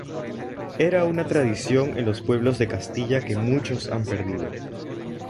Era una tradición en los pueblos de Castilla que muchos han perdido.